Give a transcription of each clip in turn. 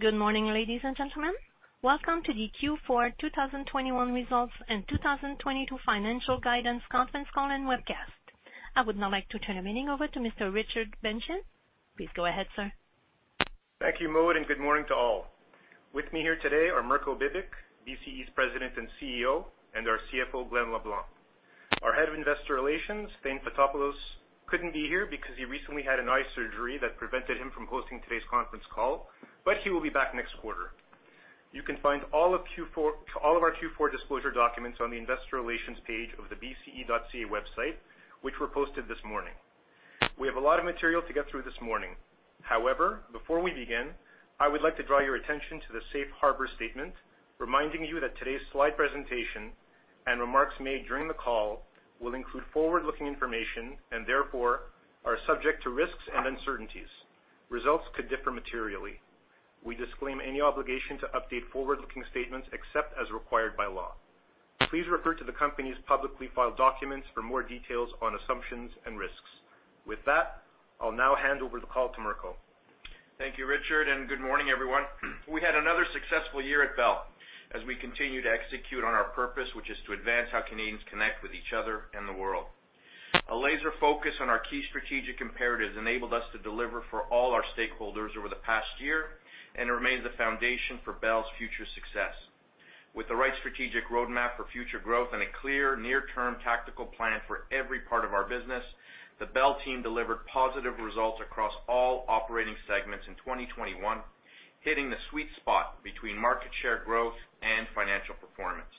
Good morning, ladies and gentlemen. Welcome to the Q4 2021 Results and 2022 Financial Guidance Conference Call and Webcast. I would now like to turn the meeting over to Mr. Richard Bengian. Please go ahead, sir. Thank you, Maude, and good morning to all. With me here today are Mirko Bibic, BCE's President and CEO, and our CFO, Glenn LeBlanc. Our Head of Investor Relations, Thane Fotopoulos, couldn't be here because he recently had an eye surgery that prevented him from hosting today's conference call, but he will be back next quarter. You can find all of our Q4 disclosure documents on the investor relations page of the bce.ca website, which were posted this morning. We have a lot of material to get through this morning. However, before we begin, I would like to draw your attention to the safe harbor statement, reminding you that today's slide presentation and remarks made during the call will include forward-looking information and therefore are subject to risks and uncertainties. Results could differ materially. We disclaim any obligation to update forward-looking statements except as required by law. Please refer to the company's publicly filed documents for more details on assumptions and risks. With that, I'll now hand over the call to Mirko. Thank you, Thane, and good morning, everyone. We had another successful year at Bell as we continue to execute on our purpose, which is to advance how Canadians connect with each other and the world. A laser focus on our key strategic imperatives enabled us to deliver for all our stakeholders over the past year and remains the foundation for Bell's future success. With the right strategic roadmap for future growth and a clear near-term tactical plan for every part of our business, the Bell team delivered positive results across all operating segments in 2021, hitting the sweet spot between market share growth and financial performance.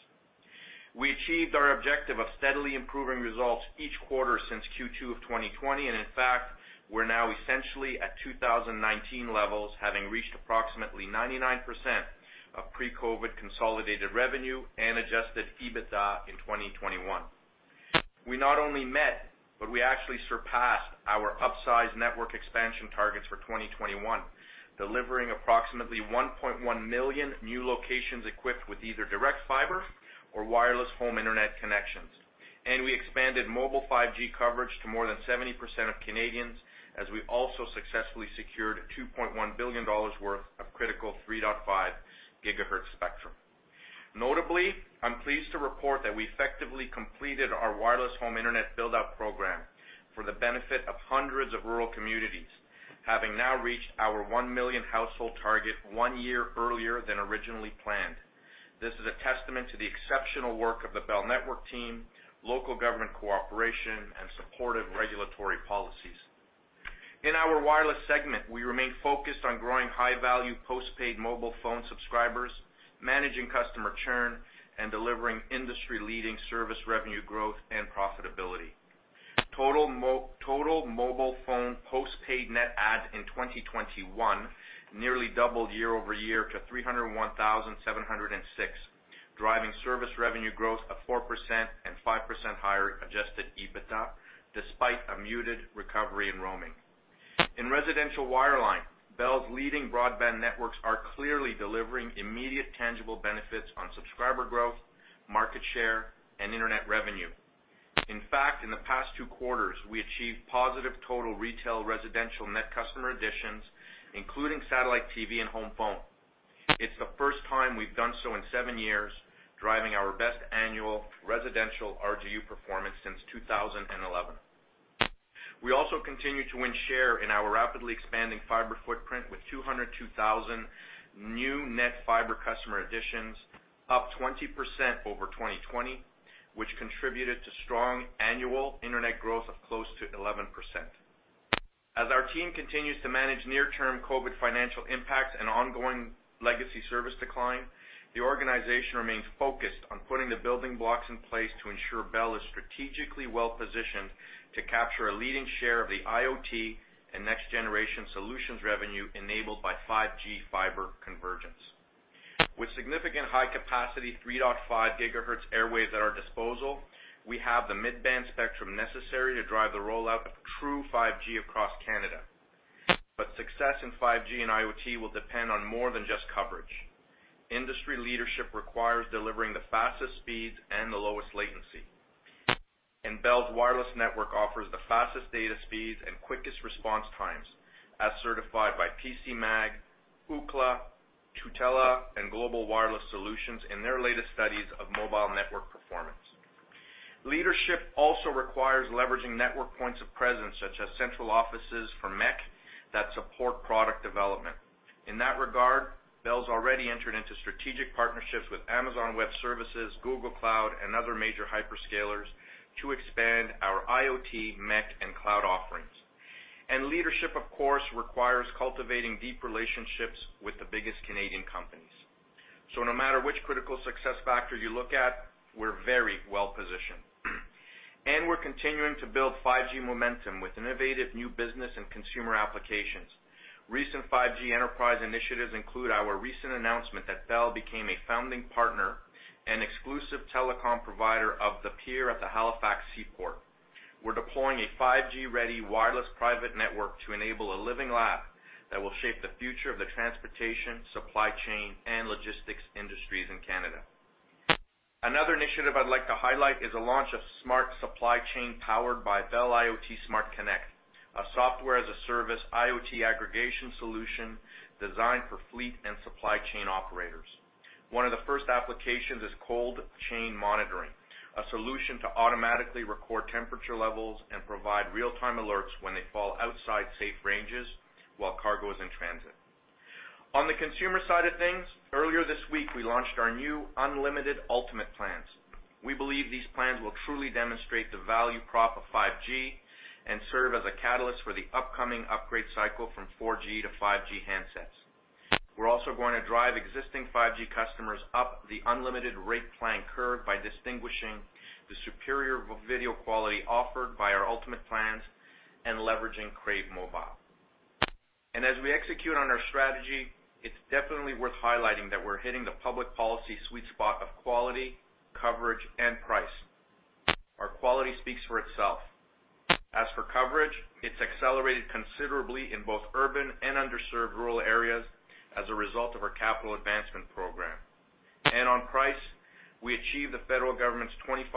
We achieved our objective of steadily improving results each quarter since Q2 of 2020, and in fact, we're now essentially at 2019 levels, having reached approximately 99% of pre-COVID consolidated revenue and Adjusted EBITDA in 2021. We not only met, but we actually surpassed our upsized network expansion targets for 2021, delivering approximately 1.1 million new locations equipped with either direct fiber or Wireless Home Internet connections. We expanded mobile 5G coverage to more than 70% of Canadians as we also successfully secured 2.1 billion dollars worth of critical 3.5 GHz spectrum. Notably, I'm pleased to report that we effectively completed our Wireless Home Internet build-out program for the benefit of hundreds of rural communities, having now reached our 1 million household target one year earlier than originally planned. This is a testament to the exceptional work of the Bell network team, local government cooperation, and supportive regulatory policies. In our wireless segment, we remain focused on growing high-value post-paid mobile phone subscribers, managing customer churn, and delivering industry-leading service revenue growth and profitability. Total mobile phone postpaid net add in 2021 nearly doubled year-over-year to 301,706, driving service revenue growth of 4% and 5% higher Adjusted EBITDA despite a muted recovery in roaming. In residential wireline, Bell's leading broadband networks are clearly delivering immediate tangible benefits on subscriber growth, market share, and internet revenue. In fact, in the past two quarters, we achieved positive total retail residential net customer additions, including satellite TV and home phone. It's the first time we've done so in seven years, driving our best annual residential RGU performance since 2011. We also continue to win share in our rapidly expanding fiber footprint with 202,000 new net fiber customer additions, up 20% over 2020, which contributed to strong annual internet growth of close to 11%. As our team continues to manage near-term COVID financial impact and ongoing legacy service decline, the organization remains focused on putting the building blocks in place to ensure Bell is strategically well-positioned to capture a leading share of the IoT and next-generation solutions revenue enabled by 5G fiber convergence. With significant high-capacity 3.5 GHz airwaves at our disposal, we have the mid-band spectrum necessary to drive the rollout of true 5G across Canada. Success in 5G and IoT will depend on more than just coverage. Industry leadership requires delivering the fastest speeds and the lowest latency. Bell's wireless network offers the fastest data speeds and quickest response times, as certified by PCMag, Ookla, Tutela, and Global Wireless Solutions in their latest studies of mobile network performance. Leadership also requires leveraging network points of presence such as central offices for MEC that support product development. In that regard, Bell's already entered into strategic partnerships with Amazon Web Services, Google Cloud, and other major hyperscalers to expand our IoT, MEC, and cloud offerings. Leadership, of course, requires cultivating deep relationships with the biggest Canadian companies. No matter which critical success factor you look at, we're very well-positioned. We're continuing to build 5G momentum with innovative new business and consumer applications. Recent 5G enterprise initiatives include our recent announcement that Bell became a founding partner and exclusive telecom provider of The PIER at the Halifax Seaport. We're deploying a 5G-ready wireless private network to enable a living lab that will shape the future of the transportation, supply chain, and logistics industries in Canada. Another initiative I'd like to highlight is the launch of Smart Supply Chain, powered by Bell IoT Smart Connect, a software-as-a-service IoT aggregation solution designed for fleet and supply chain operators. One of the first applications is cold chain monitoring, a solution to automatically record temperature levels and provide real-time alerts when they fall outside safe ranges while cargo is in transit. On the consumer side of things, earlier this week, we launched our new unlimited Ultimate plans. We believe these plans will truly demonstrate the value prop of 5G and serve as a catalyst for the upcoming upgrade cycle from 4G-5G handsets. We're also going to drive existing 5G customers up the unlimited rate plan curve by distinguishing the superior video quality offered by our Ultimate plans and leveraging Crave Mobile. As we execute on our strategy, it's definitely worth highlighting that we're hitting the public policy sweet spot of quality, coverage, and price. Our quality speaks for itself. As for coverage, it's accelerated considerably in both urban and underserved rural areas as a result of our capital advancement program. On price, we achieved the federal government's 25%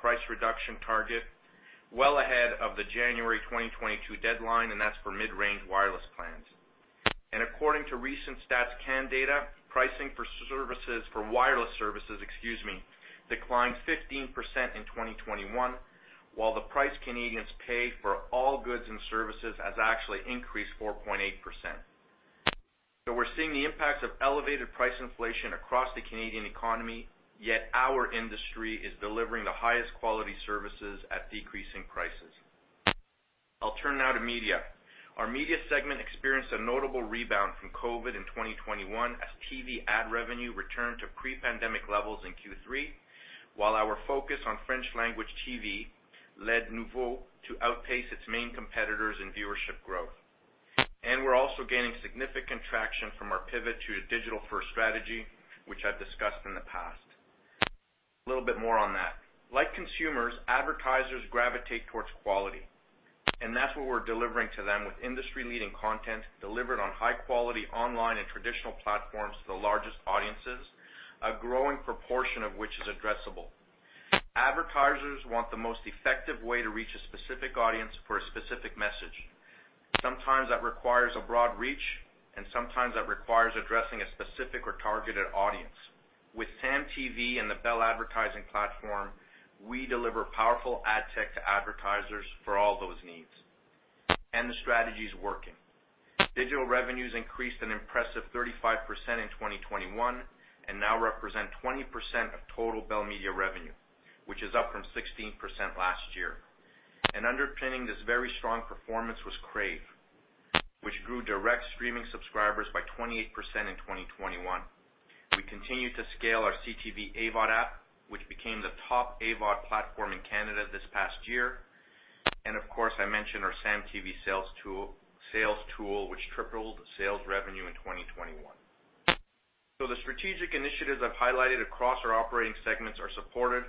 price reduction target well ahead of the January 2022 deadline, and that's for mid-range wireless plans. According to recent StatsCan data, pricing for wireless services, excuse me, declined 15% in 2021, while the price Canadians pay for all goods and services has actually increased 4.8%. We're seeing the impacts of elevated price inflation across the Canadian economy, yet our industry is delivering the highest quality services at decreasing prices. I'll turn now to media. Our media segment experienced a notable rebound from COVID in 2021 as TV ad revenue returned to pre-pandemic levels in Q3, while our focus on French language TV led Noovo to outpace its main competitors in viewership growth. We're also gaining significant traction from our pivot to a digital-first strategy, which I've discussed in the past. A little bit more on that. Like consumers, advertisers gravitate towards quality, and that's what we're delivering to them with industry-leading content delivered on high quality online and traditional platforms to the largest audiences, a growing proportion of which is addressable. Advertisers want the most effective way to reach a specific audience for a specific message. Sometimes that requires a broad reach, and sometimes that requires addressing a specific or targeted audience. With SAM TV and the Bell advertising platform, we deliver powerful ad tech to advertisers for all those needs. The strategy is working. Digital revenues increased an impressive 35% in 2021 and now represent 20% of total Bell Media revenue, which is up from 16% last year. Underpinning this very strong performance was Crave, which grew direct streaming subscribers by 28% in 2021. We continued to scale our CTV AVOD app, which became the top AVOD platform in Canada this past year. Of course, I mentioned our SAM TV sales tool, which tripled sales revenue in 2021. The strategic initiatives I've highlighted across our operating segments are supported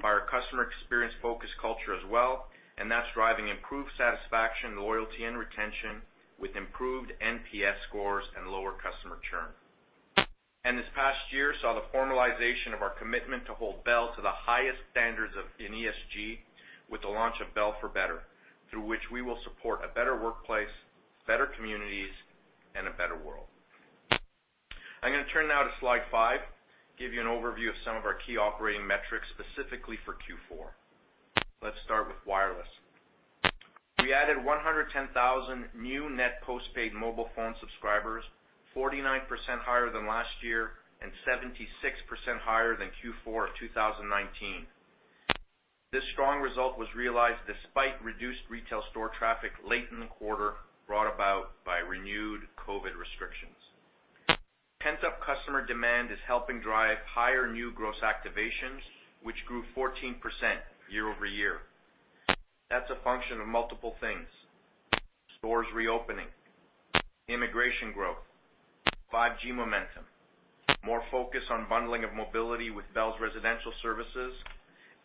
by our customer experience-focused culture as well, and that's driving improved satisfaction, loyalty, and retention with improved NPS scores and lower customer churn. This past year saw the formalization of our commitment to hold Bell to the highest standards in ESG with the launch of Bell for Better, through which we will support a better workplace, better communities, and a better world. I'm gonna turn now to slide 5, give you an overview of some of our key operating metrics, specifically for Q4. Let's start with wireless. We added 110,000 new net postpaid mobile phone subscribers, 49% higher than last year and 76% higher than Q4 of 2019. This strong result was realized despite reduced retail store traffic late in the quarter, brought about by renewed COVID restrictions. Pent-up customer demand is helping drive higher new gross activations, which grew 14% year-over-year. That's a function of multiple things, stores reopening, immigration growth, 5G momentum, more focus on bundling of mobility with Bell's residential services,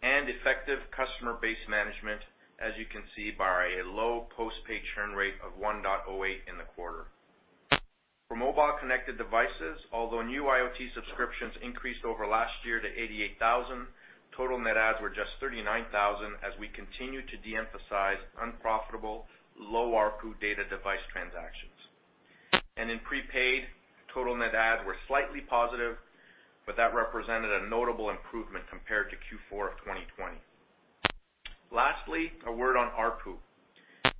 and effective customer base management, as you can see by a low postpaid churn rate of 1.08% in the quarter. For mobile connected devices, although new IoT subscriptions increased over last year to 88,000, total net adds were just 39,000 as we continued to de-emphasize unprofitable, low ARPU data device transactions. In prepaid, total net adds were slightly positive, but that represented a notable improvement compared to Q4 of 2020. Lastly, a word on ARPU.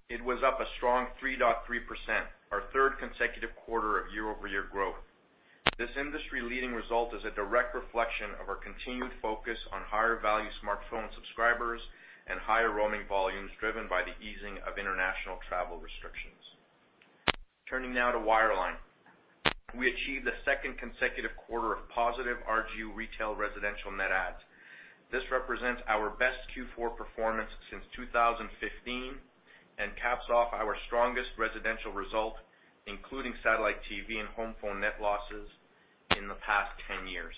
It was up a strong 3.3%, our third consecutive quarter of year-over-year growth. This industry-leading result is a direct reflection of our continued focus on higher value smartphone subscribers and higher roaming volumes driven by the easing of international travel restrictions. Turning now to wireline. We achieved a second consecutive quarter of positive RGU retail residential net adds. This represents our best Q4 performance since 2015 and caps off our strongest residential result, including satellite TV and home phone net losses in the past 10 years.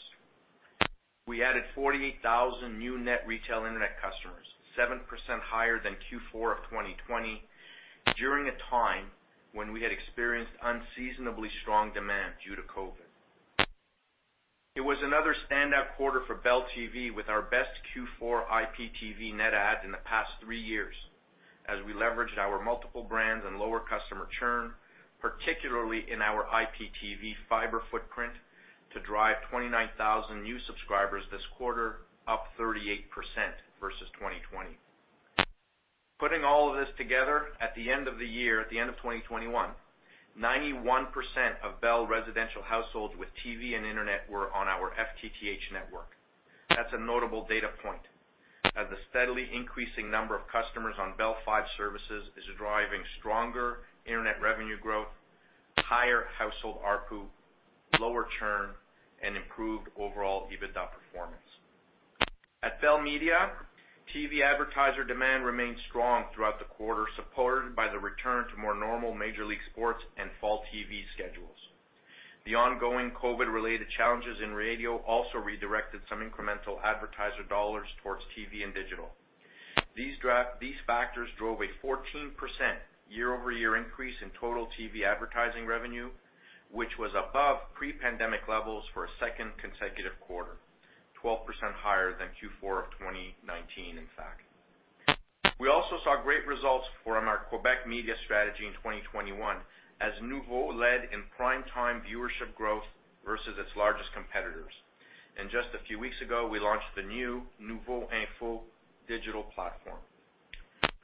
We added 48,000 new net retail internet customers, 7% higher than Q4 of 2020 during a time when we had experienced unseasonably strong demand due to COVID. It was another standout quarter for Bell TV with our best Q4 IPTV net adds in the past three years as we leveraged our multiple brands and lower customer churn, particularly in our IPTV fiber footprint, to drive 29,000 new subscribers this quarter, up 38% versus 2020. Putting all of this together, at the end of the year, at the end of 2021, 91% of Bell residential households with TV and internet were on our FTTH network. That's a notable data point as the steadily increasing number of customers on Bell 5G services is driving stronger internet revenue growth, higher household ARPU, lower churn, and improved overall EBITDA performance. At Bell Media, TV advertiser demand remained strong throughout the quarter, supported by the return to more normal Major League sports and fall TV schedules. The ongoing COVID-related challenges in radio also redirected some incremental advertiser dollars towards TV and digital. These factors drove a 14% year-over-year increase in total TV advertising revenue, which was above pre-pandemic levels for a second consecutive quarter, 12% higher than Q4 of 2019, in fact. We also saw great results from our Quebec media strategy in 2021 as Noovo led in prime time viewership growth versus its largest competitors. Just a few weeks ago, we launched the new Noovo Info digital platform.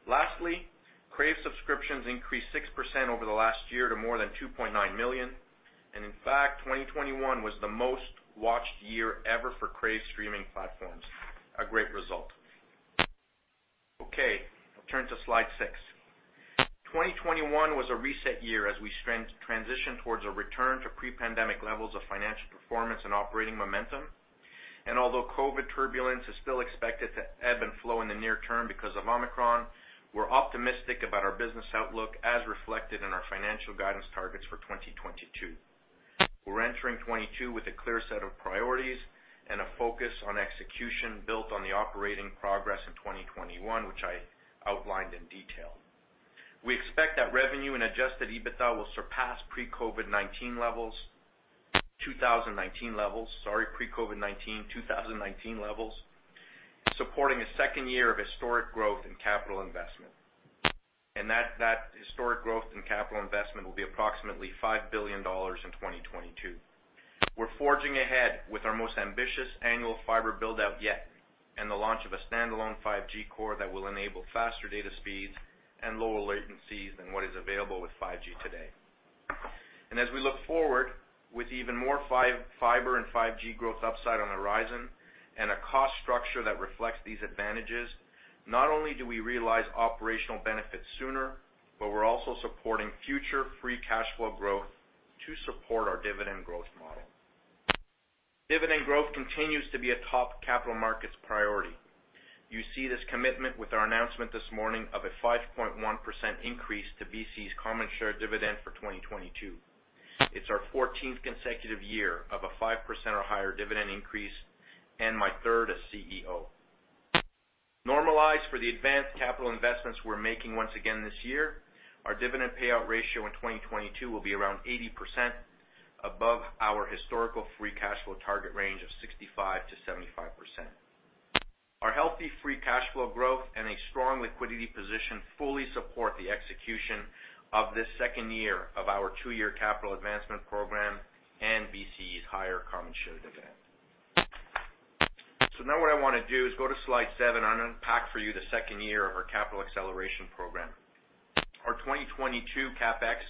Lastly, Crave subscriptions increased 6% over the last year to more than 2.9 million. In fact, 2021 was the most watched year ever for Crave streaming platforms. A great result. Okay, I'll turn to slide six. 2021 was a reset year as we transitioned towards a return to pre-pandemic levels of financial performance and operating momentum. Although COVID turbulence is still expected to ebb and flow in the near term because of Omicron, we're optimistic about our business outlook as reflected in our financial guidance targets for 2022. We're entering 2022 with a clear set of priorities and a focus on execution built on the operating progress in 2021, which I outlined in detail. We expect that revenue and Adjusted EBITDA will surpass pre-COVID-19, 2019 levels, supporting a second year of historic growth in capital investment. That historic growth in capital investment will be approximately 5 billion dollars in 2022. We're forging ahead with our most ambitious annual fiber build-out yet, and the launch of a standalone 5G core that will enable faster data speeds and lower latencies than what is available with 5G today. As we look forward with even more Fibe and 5G growth upside on the horizon and a cost structure that reflects these advantages, not only do we realize operational benefits sooner, but we're also supporting future free cash flow growth to support our dividend growth model. Dividend growth continues to be a top capital markets priority. You see this commitment with our announcement this morning of a 5.1% increase to BCE's common share dividend for 2022. It's our fourteenth consecutive year of a 5% or higher dividend increase, and my third as CEO. Normalized for the advanced capital investments we're making once again this year, our dividend payout ratio in 2022 will be around 80% above our historical free cash flow target range of 65%-75%. Our healthy free cash flow growth and a strong liquidity position fully support the execution of this second year of our two-year capital advancement program and BCE's higher common share dividend. Now what I wanna do is go to slide seven, and unpack for you the second year of our capital acceleration program. Our 2022 CapEx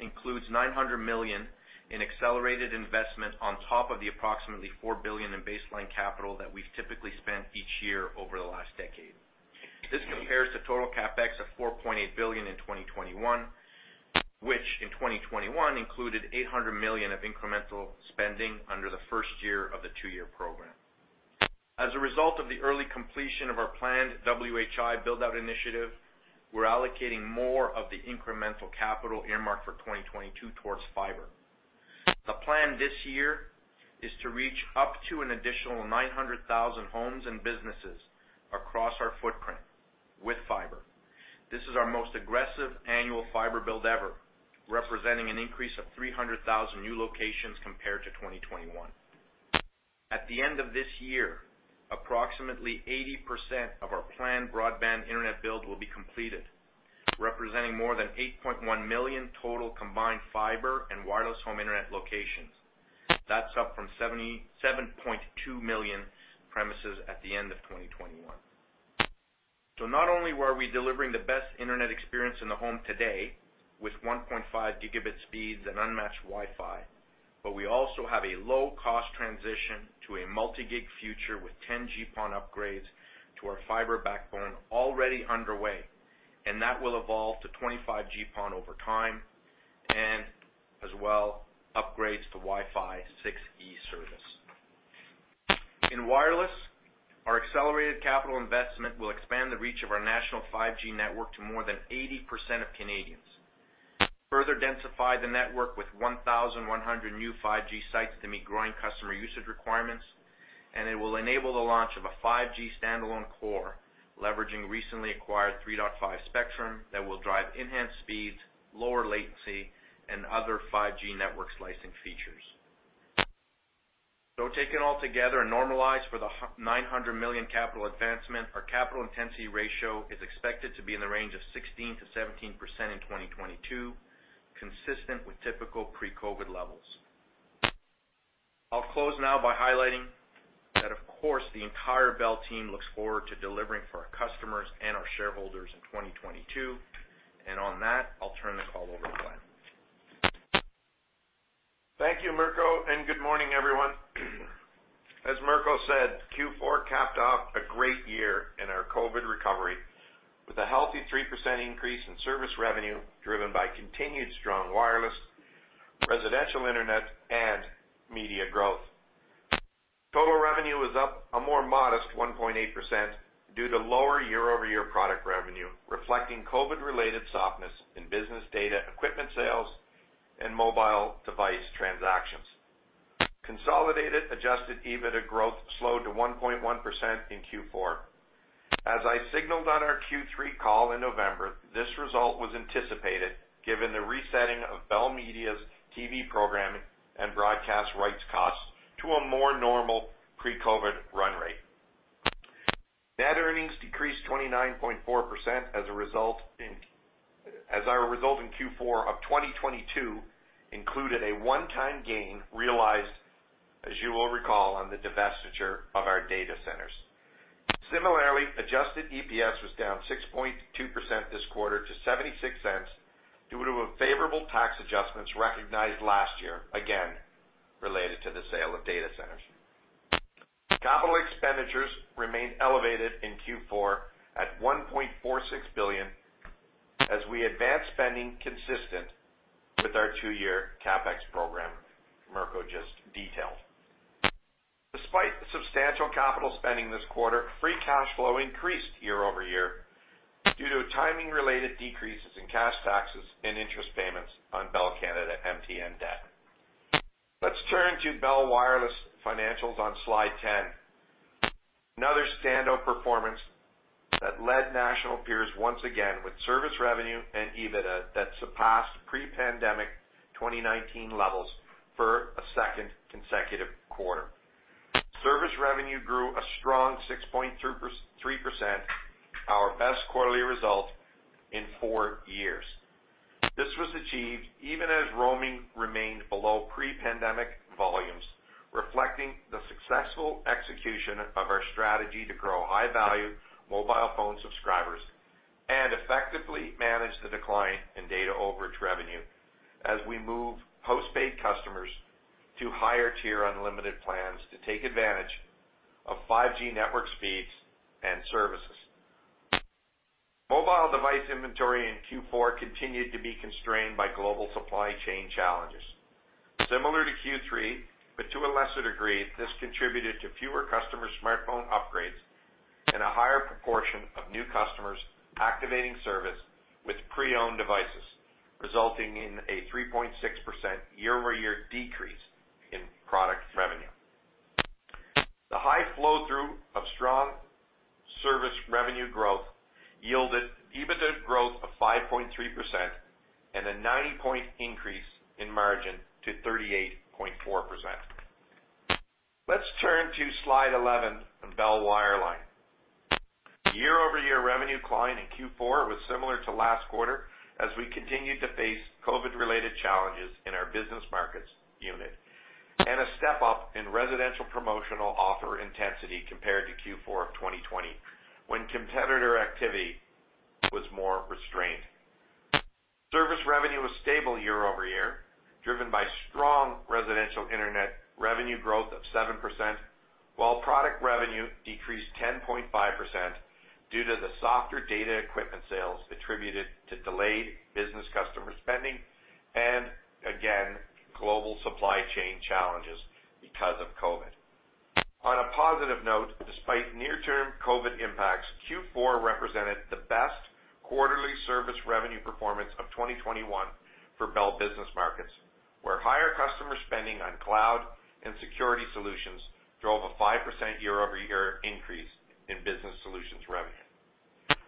includes 900 million in accelerated investment on top of the approximately 4 billion in baseline capital that we've typically spent each year over the last decade. This compares to total CapEx of 4.8 billion in 2021, which in 2021 included 800 million of incremental spending under the first year of the two-year program. As a result of the early completion of our planned WHI build-out initiative, we're allocating more of the incremental capital earmarked for 2022 towards fiber. The plan this year is to reach up to an additional 900,000 homes and businesses across our footprint with fiber. This is our most aggressive annual fiber build ever, representing an increase of 300,000 new locations compared to 2021. At the end of this year, approximately 80% of our planned broadband internet build will be completed, representing more than 8.1 million total combined fiber and wireless home internet locations. That's up from 77.2 million premises at the end of 2021. Not only were we delivering the best internet experience in the home today with 1.5 gigabit speeds and unmatched Wi-Fi, but we also have a low-cost transition to a multi-gig future with 10 GPON upgrades to our fiber backbone already underway, and that will evolve to 25 GPON over time, and as well, upgrades to Wi-Fi 6E service. In wireless, our accelerated capital investment will expand the reach of our national 5G network to more than 80% of Canadians. Further densify the network with 1,100 new 5G sites to meet growing customer usage requirements. It will enable the launch of a 5G standalone core, leveraging recently acquired 3.5 spectrum that will drive enhanced speeds, lower latency, and other 5G network slicing features. Taken all together and normalized for the 900 million capital advancement, our capital intensity ratio is expected to be in the range of 16%-17% in 2022, consistent with typical pre-COVID levels. I'll close now by highlighting that, of course, the entire Bell team looks forward to delivering for our customers and our shareholders in 2022. On that, I'll turn the call over to Glenn. Thank you, Mirko, and good morning, everyone. As Mirko said, Q4 capped off a great year in our COVID recovery with a healthy 3% increase in service revenue driven by continued strong wireless, residential internet, and media growth. Total revenue was up a more modest 1.8% due to lower year-over-year product revenue, reflecting COVID-related softness in business data, equipment sales, and mobile device transactions. Consolidated Adjusted EBITDA growth slowed to 1.1% in Q4. As I signaled on our Q3 call in November, this result was anticipated given the resetting of Bell Media's TV programming and broadcast rights costs to a more normal pre-COVID run rate. Net earnings decreased 29.4% as our result in Q4 of 2022 included a one-time gain realized, as you will recall, on the divestiture of our data centers. Similarly, adjusted EPS was down 6.2% this quarter to 0.76 due to unfavorable tax adjustments recognized last year, again, related to the sale of data centers. Capital expenditures remained elevated in Q4 at 1.46 billion as we advanced spending consistent with our two-year CapEx program Mirko just detailed. Despite substantial capital spending this quarter, free cash flow increased year-over-year due to timing-related decreases in cash taxes and interest payments on Bell Canada MTN debt. Let's turn to Bell Wireless financials on slide 10. Another standout performance that led national peers once again with service revenue and EBITDA that surpassed pre-pandemic 2019 levels for a second consecutive quarter. Service revenue grew a strong 6.3%, our best quarterly result in four years. This was achieved even as roaming remained below pre-pandemic volumes, reflecting the successful execution of our strategy to grow high-value mobile phone subscribers and effectively manage the decline in data overage revenue as we move post-paid customers to higher tier unlimited plans to take advantage of 5G network speeds and services. Mobile device inventory in Q4 continued to be constrained by global supply chain challenges. Similar to Q3, but to a lesser degree, this contributed to fewer customer smartphone upgrades and a higher proportion of new customers activating service with pre-owned devices, resulting in a 3.6% year-over-year decrease in product revenue. The high flow-through of strong service revenue growth yielded EBITDA growth of 5.3% and a 90-point increase in margin to 38.4%. Let's turn to slide 11 on Bell Wireline. Year-over-year revenue decline in Q4 was similar to last quarter as we continued to face COVID-related challenges in our business markets unit and a step-up in residential promotional offer intensity compared to Q4 of 2020, when competitor activity was more restrained. Service revenue was stable year-over-year, driven by strong residential internet revenue growth of 7%, while product revenue decreased 10.5% due to the softer data equipment sales attributed to delayed business customer spending and again, global supply chain challenges because of COVID. On a positive note, despite near-term COVID impacts, Q4 represented the best quarterly service revenue performance of 2021 for Bell Business Markets, where higher customer spending on cloud and security solutions drove a 5% year-over-year increase in business solutions revenue.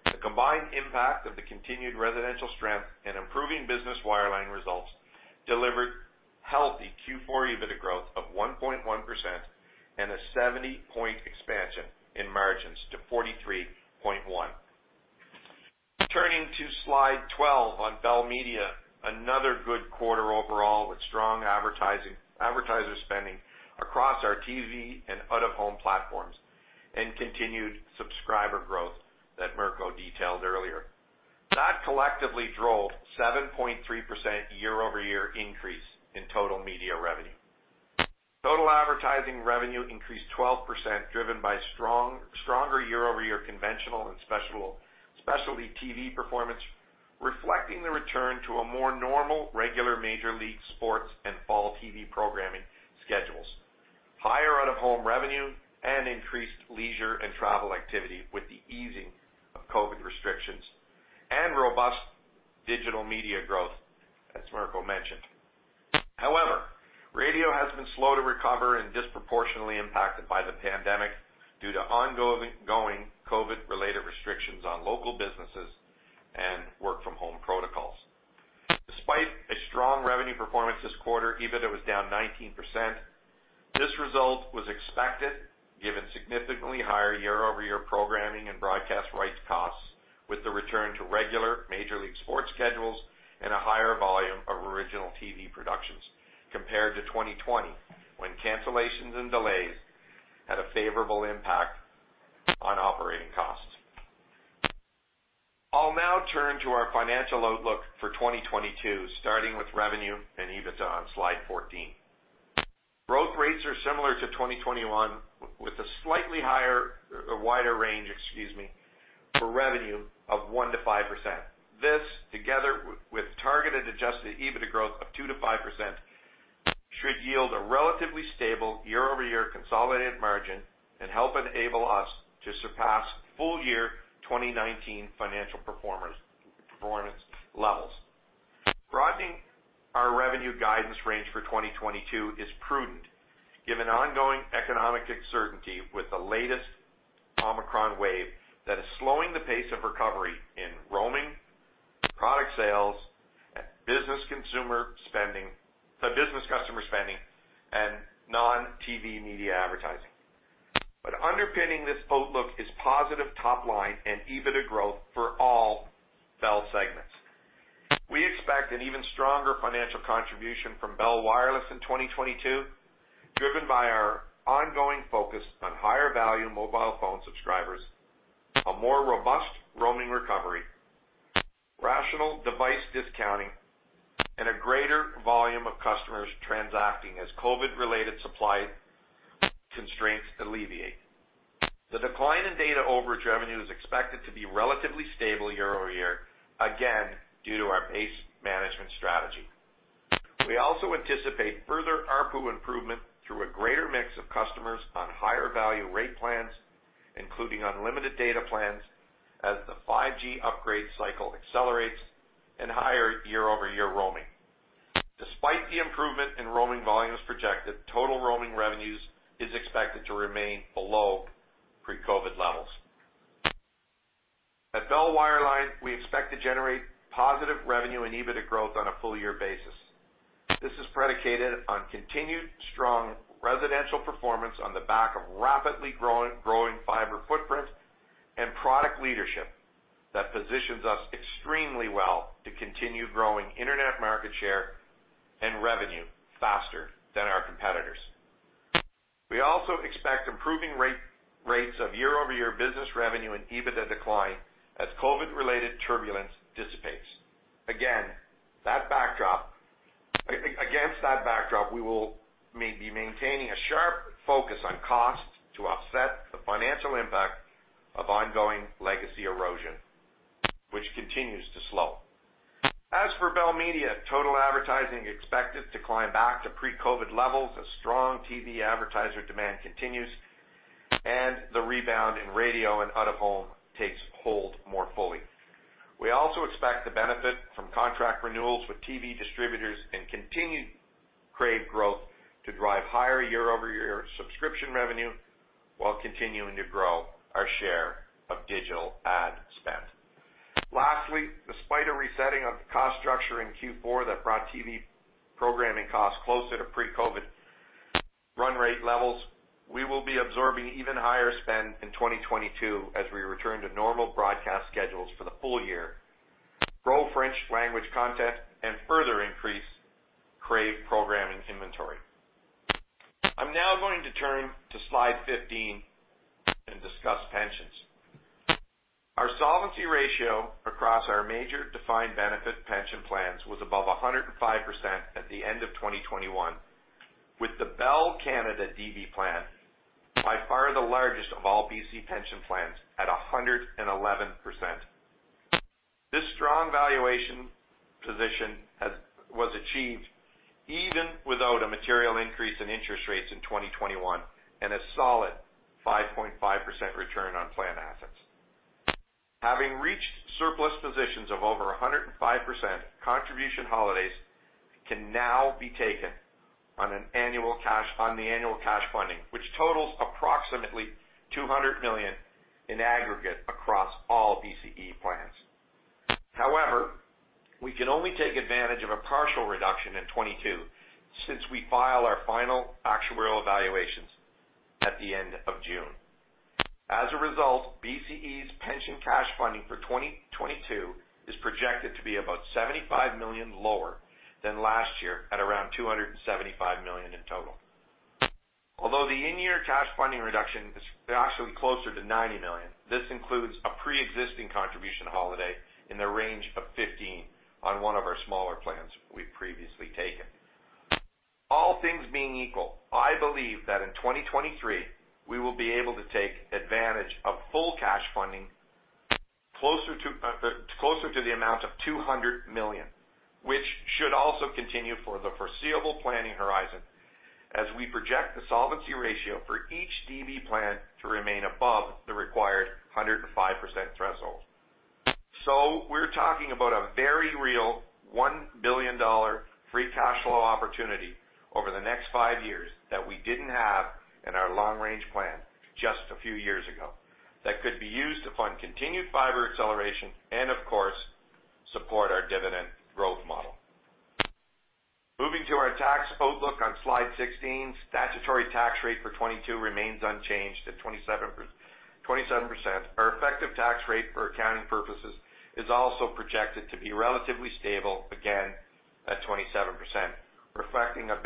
The combined impact of the continued residential strength and improving business wireline results delivered healthy Q4 EBITDA growth of 1.1% and a 70-point expansion in margins to 43.1%. Turning to slide 12 on Bell Media. Another good quarter overall with strong advertiser spending across our TV and out-of-home platforms and continued subscriber growth that Mirko detailed earlier. That collectively drove 7.3% year-over-year increase in total media revenue. Total advertising revenue increased 12%, driven by stronger year-over-year conventional and specialty TV performance, reflecting the return to a more normal, regular major league sports and fall TV programming schedules, higher out-of-home revenue, and increased leisure and travel activity with the easing of COVID restrictions and robust digital media growth, as Mirko mentioned. However, radio has been slow to recover and disproportionately impacted by the pandemic due to ongoing COVID related restrictions on local businesses and work from home protocols. Despite a strong revenue performance this quarter, EBITDA was down 19%. This result was expected given significantly higher year-over-year programming and broadcast rights costs with the return to regular Major League sports schedules and a higher volume of original TV productions compared to 2020, when cancellations and delays had a favorable impact on operating costs. I'll now turn to our financial outlook for 2022, starting with revenue and EBITDA on slide 14. Growth rates are similar to 2021, with a slightly higher or wider range, excuse me, for revenue of 1%-5%. This together with targeted Adjusted EBITDA growth of 2%-5% should yield a relatively stable year-over-year consolidated margin and help enable us to surpass full year 2019 financial performance levels. Broadening our revenue guidance range for 2022 is prudent given ongoing economic uncertainty with the latest Omicron wave that is slowing the pace of recovery in roaming, product sales and business customer spending and non-TV media advertising. Underpinning this outlook is positive top line and EBITDA growth for all Bell segments. We expect an even stronger financial contribution from Bell Wireless in 2022, driven by our ongoing focus on higher value mobile phone subscribers, a more robust roaming recovery, rational device discounting and a greater volume of customers transacting as COVID related supply constraints alleviate. The decline in data overage revenue is expected to be relatively stable year-over-year, again due to our pace management strategy. We also anticipate further ARPU improvement through a greater mix of customers on higher value rate plans, including unlimited data plans as the 5G upgrade cycle accelerates and higher year-over-year roaming. Despite the improvement in roaming volumes projected, total roaming revenues is expected to remain below pre-COVID levels. At Bell Wireline, we expect to generate positive revenue and EBITDA growth on a full year basis. This is predicated on continued strong residential performance on the back of rapidly growing fiber footprint and product leadership that positions us extremely well to continue growing internet market share and revenue faster than our competitors. We also expect improving rates of year-over-year business revenue and EBITDA decline as COVID related turbulence dissipates. Again, against that backdrop, we will be maintaining a sharp focus on costs to offset the financial impact of ongoing legacy erosion, which continues to slow. As for Bell Media, total advertising expected to climb back to pre-COVID levels as strong TV advertiser demand continues and the rebound in radio and out-of-home takes hold more fully. We also expect the benefit from contract renewals with TV distributors and continued Crave growth to drive higher year-over-year subscription revenue while continuing to grow our share of digital ad spend. Lastly, despite a resetting of the cost structure in Q4 that brought TV programming costs closer to pre-COVID run rate levels, we will be absorbing even higher spend in 2022 as we return to normal broadcast schedules for the full year, grow French language content and further increase Crave programming inventory. I'm now going to turn to slide 15 and discuss pensions. Our solvency ratio across our major defined benefit pension plans was above 105% at the end of 2021, with the Bell Canada DB plan by far the largest of all BCE pension plans at 111%. This strong valuation position was achieved even without a material increase in interest rates in 2021 and a solid 5.5% return on plan assets. Having reached surplus positions of over 105%, contribution holidays can now be taken on the annual cash funding, which totals approximately 200 million in aggregate across all BCE plans. However, we can only take advantage of a partial reduction in 2022 since we file our final actuarial evaluations at the end of June. As a result, BCE's pension cash funding for 2022 is projected to be about 75 million lower than last year at around 275 million in total. Although the in-year cash funding reduction is actually closer to 90 million, this includes a pre-existing contribution holiday in the range of 15 on one of our smaller plans we've previously taken. All things being equal, I believe that in 2023, we will be able to take advantage of full cash funding closer to the amount of 200 million, which should also continue for the foreseeable planning horizon as we project the solvency ratio for each DB plan to remain above the required 105% threshold. We're talking about a very real 1 billion dollar free cash flow opportunity over the next five years that we didn't have in our long-range plan just a few years ago that could be used to fund continued fiber acceleration and of course, support our dividend growth model. Moving to our tax outlook on slide 16, statutory tax rate for 2022 remains unchanged at 27%. Our effective tax rate for accounting purposes is also projected to be relatively stable, again at 27%, reflecting a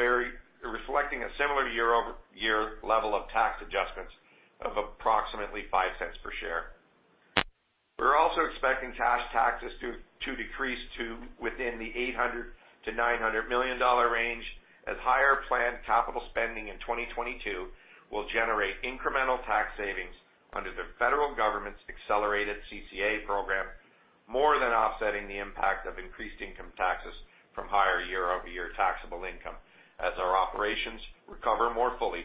similar year-over-year level of tax adjustments of approximately $0.05 per share. We're also expecting cash taxes to decrease to within the 800 million-900 million dollar range as higher planned capital spending in 2022 will generate incremental tax savings under the federal government's accelerated CCA program, more than offsetting the impact of increased income taxes from higher year-over-year taxable income as our operations recover more fully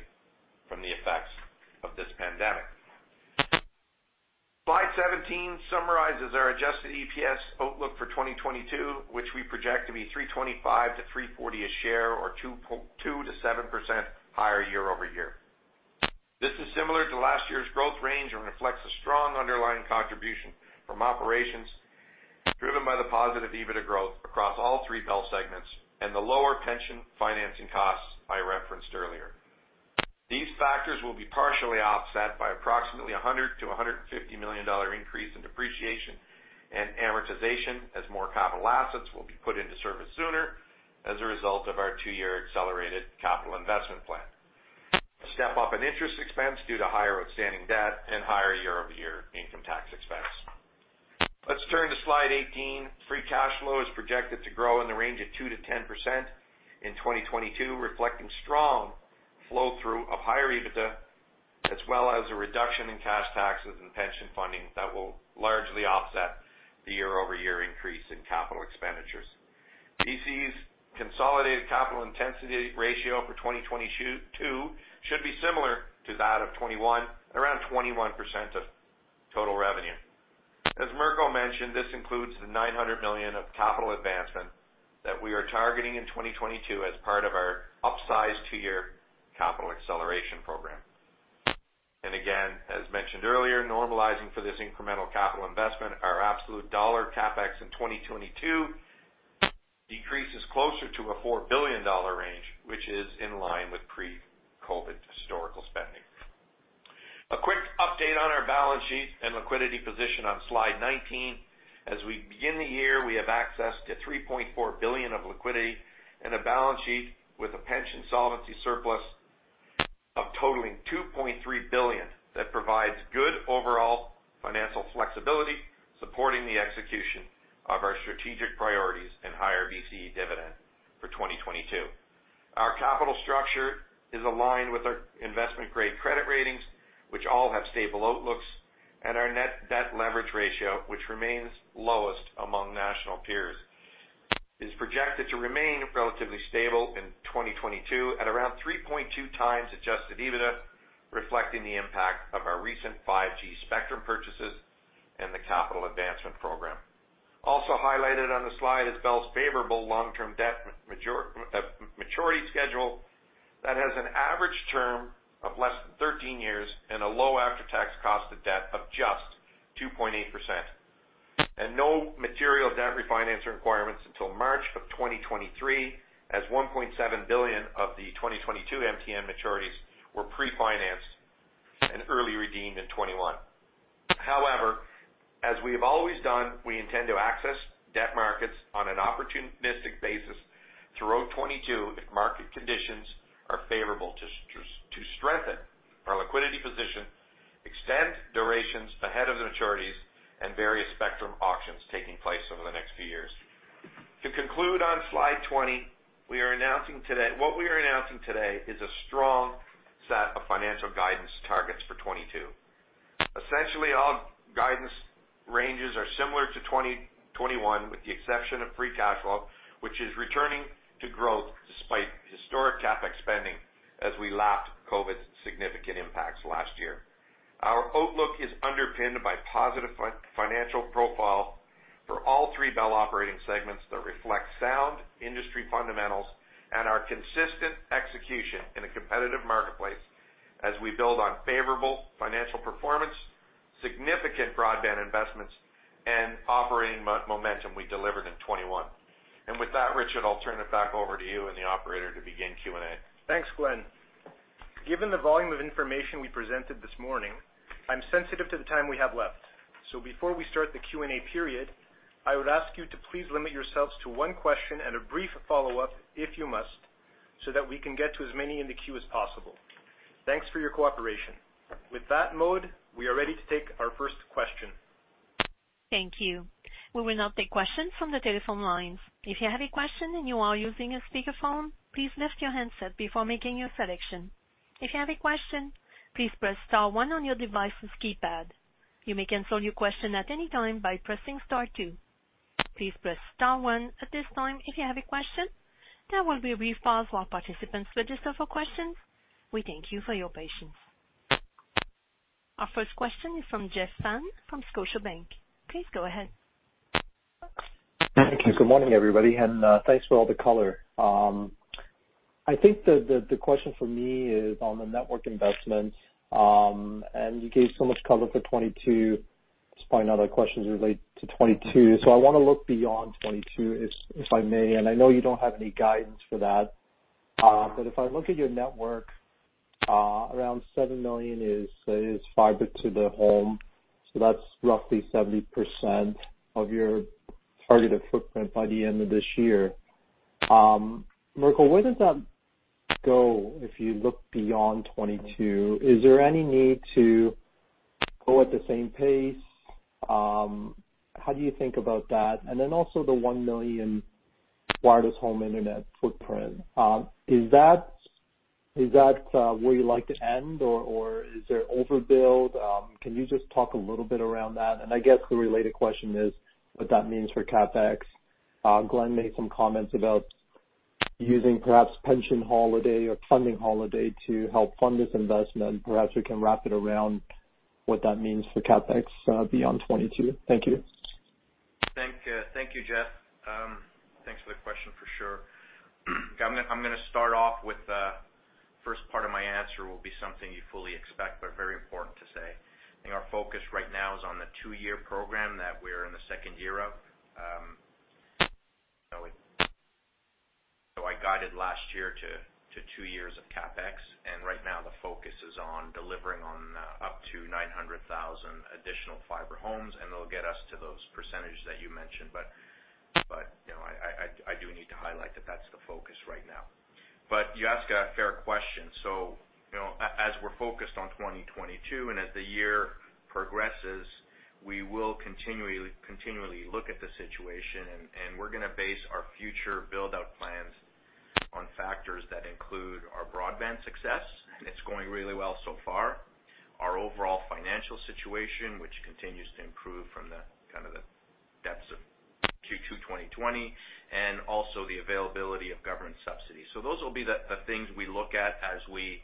from the effects of this pandemic. Slide 17 summarizes our adjusted EPS outlook for 2022, which we project to be $3.25-$3.40 a share or 2%-7% higher year-over-year. This is similar to last year's growth range and reflects a strong underlying contribution from operations driven by the positive EBITDA growth across all three Bell segments and the lower pension financing costs I referenced earlier. These factors will be partially offset by approximately 100 million-150 million dollar increase in depreciation and amortization as more capital assets will be put into service sooner as a result of our two-year accelerated capital investment plan, a step-up in interest expense due to higher outstanding debt and higher year-over-year income tax expense. Let's turn to slide 18. Free cash flow is projected to grow in the range of 2%-10% in 2022, reflecting strong flow through of higher EBITDA, as well as a reduction in cash taxes and pension funding that will largely offset the year-over-year increase in capital expenditures. BCE's consolidated capital intensity ratio for 2022 should be similar to that of 2021, around 21% of total revenue. As Mirko mentioned, this includes the 900 million of capital advancement that we are targeting in 2022 as part of our upsized two-year capital acceleration program. Again, as mentioned earlier, normalizing for this incremental capital investment, our absolute dollar CapEx in 2022 decreases closer to a 4 billion dollar range, which is in line with pre-COVID historical spending. A quick update on our balance sheet and liquidity position on slide 19. As we begin the year, we have access to 3.4 billion of liquidity and a balance sheet with a pension solvency surplus totaling 2.3 billion that provides good overall financial flexibility, supporting the execution of our strategic priorities and higher BCE dividend for 2022. Our capital structure is aligned with our investment-grade credit ratings, which all have stable outlooks, and our net debt leverage ratio, which remains lowest among national peers, is projected to remain relatively stable in 2022 at around 3.2x Adjusted EBITDA, reflecting the impact of our recent 5G spectrum purchases and the capital advancement program. Also highlighted on the slide is Bell's favorable long-term debt maturity schedule that has an average term of less than 13 years and a low after-tax cost of debt of just 2.8%. No material debt refinance requirements until March 2023, as 1.7 billion of the 2022 MTN maturities were pre-financed and early redeemed in 2021. However, as we have always done, we intend to access debt markets on an opportunistic basis throughout 2022 if market conditions are favorable to strengthen our liquidity position, extend durations ahead of the maturities and various spectrum auctions taking place over the next few years. To conclude on slide 20, we are announcing today, what we are announcing today is a strong set of financial guidance targets for 2022. Essentially, all guidance ranges are similar to 2021, with the exception of free cash flow, which is returning to growth despite historic CapEx spending as we lapped COVID's significant impacts last year. Our outlook is underpinned by positive financial profile for all three Bell operating segments that reflect sound industry fundamentals and our consistent execution in a competitive marketplace as we build on favorable financial performance, significant broadband investments, and operating momentum we delivered in 2021. With that, Richard, I'll turn it back over to you and the operator to begin Q&A. Thanks, Glenn. Given the volume of information we presented this morning, I'm sensitive to the time we have left. Before we start the Q&A period, I would ask you to please limit yourselves to one question and a brief follow-up, if you must, so that we can get to as many in the queue as possible. Thanks for your cooperation. With that in mind, we are ready to take our first question. Thank you. We will now take questions from the telephone lines. If you have a question and you are using a speakerphone, please lift your handset before making your selection. If you have a question, please press star one on your device's keypad. You may cancel your question at any time by pressing star two. Please press star one at this time if you have a question. There will be a brief pause while participants register for questions. We thank you for your patience. Our first question is from Jeff Fan from Scotiabank. Please go ahead. Thank you. Good morning, everybody, and thanks for all the color. I think the question for me is on the network investments, and you gave so much color for 2022. Just probably another question related to 2022. I wanna look beyond 2022, if I may, and I know you don't have any guidance for that. But if I look at your network, around 7 million is fiber to the home, so that's roughly 70% of your targeted footprint by the end of this year. Mirko, where does that go if you look beyond 2022? Is there any need to go at the same pace? How do you think about that? Also the 1 million Wireless Home Internet footprint, is that where you like to end or is there overbuild? Can you just talk a little bit around that? I guess the related question is what that means for CapEx. Glenn made some comments about using perhaps pension holiday or funding holiday to help fund this investment. Perhaps we can wrap it around what that means for CapEx beyond 2022. Thank you. Thank you, Jeff. Thanks for the question for sure. I'm gonna start off with first part of my answer will be something you fully expect, but very important to say. I think our focus right now is on the two-year program that we're in the second year of. I guided last year to two years of CapEx, and right now the focus is on delivering on up to 900,000 additional fiber homes, and it'll get us to those percentages that you mentioned. But you know, I do need to highlight that that's the focus right now. You ask a fair question. As we're focused on 2022, and as the year progresses, we will continually look at the situation, and we're gonna base our future build-out plans on factors that include our broadband success, and it's going really well so far. Our overall financial situation, which continues to improve from the kind of depths of Q2 2020, and also the availability of government subsidies. Those will be the things we look at as we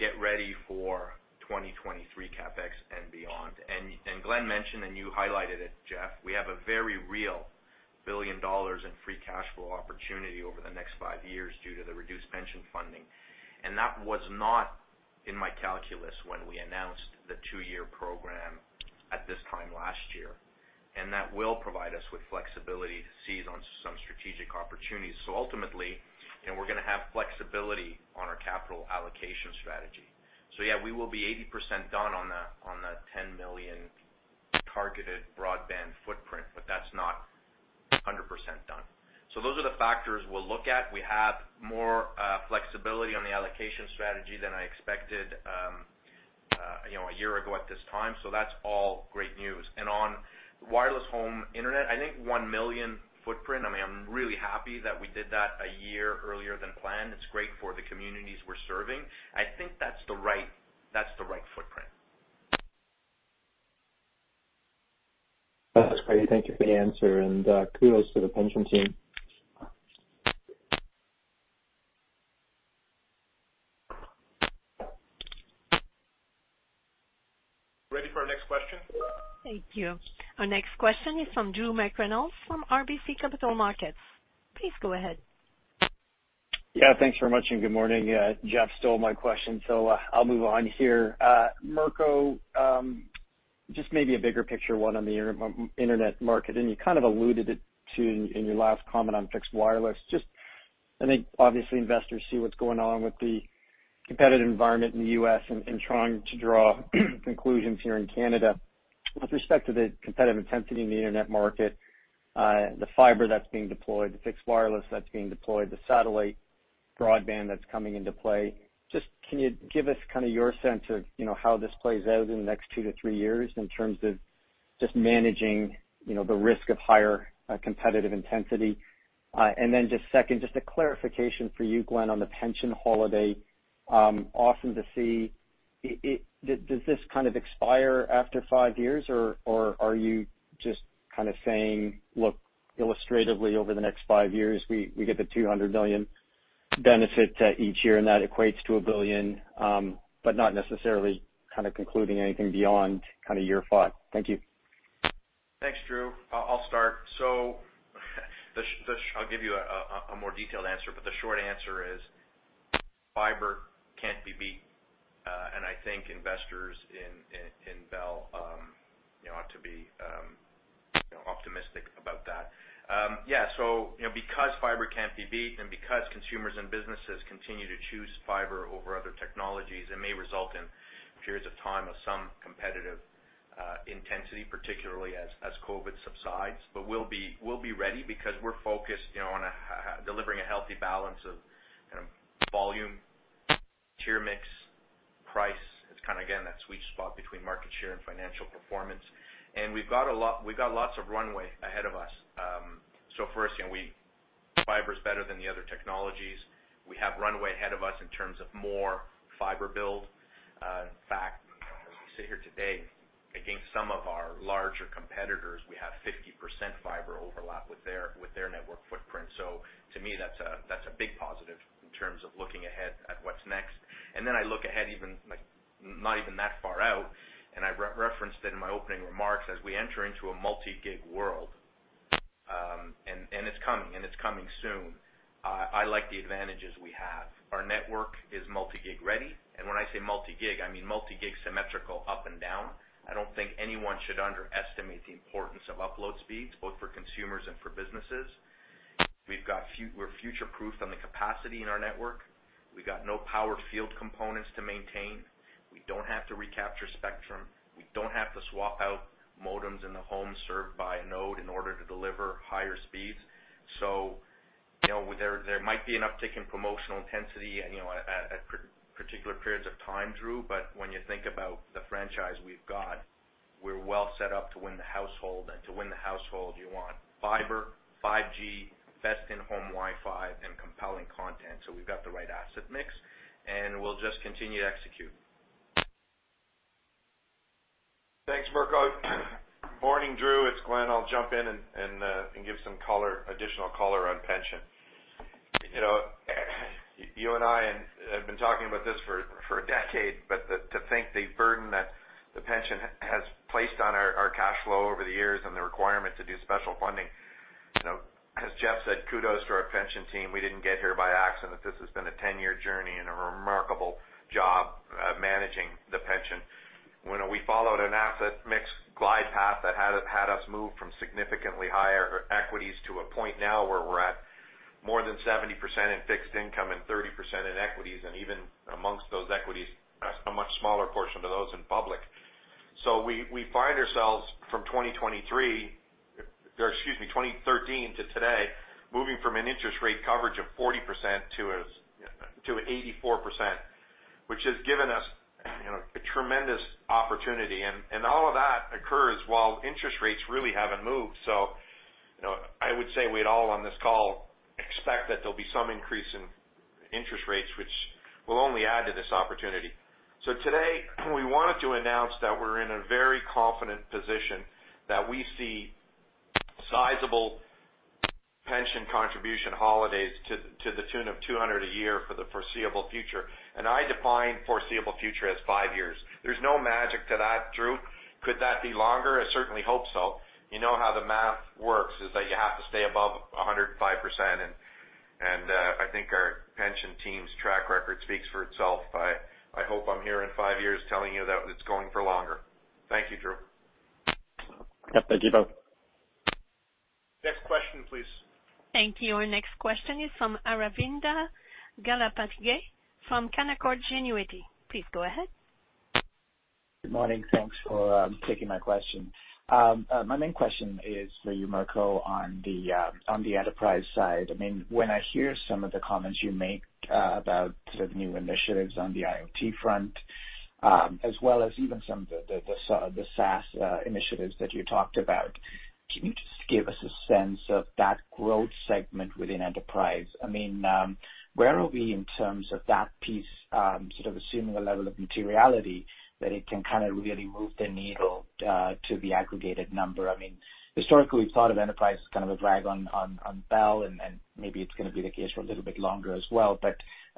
get ready for 2023 CapEx and beyond. Glenn mentioned, and you highlighted it, Jeff, we have a very real 1 billion dollars in free cash flow opportunity over the next five years due to the reduced pension funding. That was not in my calculus when we announced the two-year program at this time last year. That will provide us with flexibility to seize on some strategic opportunities. Ultimately, you know, we're gonna have flexibility on our capital allocation strategy. Yeah, we will be 80% done on that 10 million targeted broadband footprint, but that's not 100% done. Those are the factors we'll look at. We have more flexibility on the allocation strategy than I expected, you know, a year ago at this time. That's all great news. On Wireless Home Internet, I think 1 million footprint, I mean, I'm really happy that we did that a year earlier than planned. It's great for the communities we're serving. I think that's the right footprint. That's great. Thank you for the answer, and kudos to the pension team. Ready for our next question? Thank you. Our next question is from Drew McReynolds from RBC Capital Markets. Please go ahead. Yeah, thanks very much, and good morning. Jeff stole my question, so, I'll move on here. Mirko, just maybe a bigger picture, one on the internet market, and you kind of alluded it to in your last comment on fixed wireless. Just I think, obviously, investors see what's going on with the competitive environment in the U.S. and trying to draw conclusions here in Canada. With respect to the competitive intensity in the internet market, the fiber that's being deployed, the fixed wireless that's being deployed, the satellite broadband that's coming into play. Just can you give us kinda your sense of, you know, how this plays out in the next two to three years in terms of just managing, you know, the risk of higher, competitive intensity? Just a second, just a clarification for you, Glenn, on the pension holiday. Often we see if this kind of expires after five years or are you just kinda saying, look illustratively over the next five years, we get the 200 million benefit each year, and that equates to 1 billion, but not necessarily kinda concluding anything beyond kinda year five? Thank you. Thanks, Drew. I'll start. I'll give you a more detailed answer, but the short answer is fiber can't be beat. I think investors in Bell you know ought to be you know optimistic about that. You know, because fiber can't be beat and because consumers and businesses continue to choose fiber over other technologies, it may result in periods of time of some competitive intensity, particularly as COVID subsides. We'll be ready because we're focused you know on delivering a healthy balance of volume, tier mix, price. It's kinda again that sweet spot between market share and financial performance. We've got lots of runway ahead of us. First, you know, fiber's better than the other technologies. We have runway ahead of us in terms of more fiber build. We sit here today against some of our larger competitors. We have 50% fiber overlap with their network footprint. So to me, that's a big positive in terms of looking ahead at what's next. Then I look ahead even, like, not even that far out, and I referenced it in my opening remarks, as we enter into a multi-gig world, and it's coming soon. I like the advantages we have. Our network is multi-gig ready. When I say multi-gig, I mean multi-gig symmetrical up and down. I don't think anyone should underestimate the importance of upload speeds, both for consumers and for businesses. We're future-proofed on the capacity in our network. We got no powered field components to maintain. We don't have to recapture spectrum. We don't have to swap out modems in the home served by a node in order to deliver higher speeds. You know, there might be an uptick in promotional intensity, you know, at particular periods of time, Drew, but when you think about the franchise we've got, we're well set up to win the household. To win the household, you want fiber, 5G, best in-home Wi-Fi, and compelling content. We've got the right asset mix, and we'll just continue to execute. Thanks, Mirko. Morning, Drew, it's Glenn. I'll jump in and give some additional color on pension. You know, you and I have been talking about this for a decade, but to think the burden that the pension has placed on our cash flow over the years and the requirement to do special funding. You know, as Jeff said, kudos to our pension team. We didn't get here by accident. This has been a 10-year journey and a remarkable job managing the pension. When we followed an asset mix glide path that had us move from significantly higher equities to a point now where we're at more than 70% in fixed income and 30% in equities, and even amongst those equities, a much smaller portion of those in public. We find ourselves from 2013 to today, moving from an interest rate coverage of 40%-84%, which has given us, you know, a tremendous opportunity. All of that occurs while interest rates really haven't moved. You know, I would say we'd all on this call expect that there'll be some increase in interest rates, which will only add to this opportunity. Today, we wanted to announce that we're in a very confident position that we see sizable pension contribution holidays to the tune of 200 a year for the foreseeable future. I define foreseeable future as five years. There's no magic to that, Drew. Could that be longer? I certainly hope so. You know how the math works is that you have to stay above 105%. I think our pension team's track record speaks for itself. I hope I'm here in five years telling you that it's going for longer. Thank you, Drew. Yep. Thank you both. Next question, please. Thank you. Our next question is from Aravinda Galappatthige from Canaccord Genuity. Please go ahead. Good morning. Thanks for taking my question. My main question is for you, Mirko, on the enterprise side. I mean, when I hear some of the comments you make about sort of new initiatives on the IoT front, as well as even some of the SaaS initiatives that you talked about, can you just give us a sense of that growth segment within enterprise? I mean, where are we in terms of that piece, sort of assuming a level of materiality that it can kind of really move the needle to the aggregated number? I mean, historically, we thought of enterprise as kind of a drag on Bell, and maybe it's gonna be the case for a little bit longer as well.